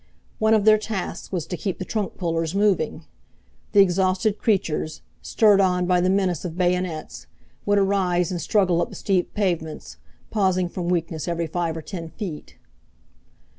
One of their tasks was to keep the trunk pullers moving. The exhausted creatures, stirred on by the menace of bayonets, would arise and struggle up the steep pavements, pausing from weakness every five or ten feet.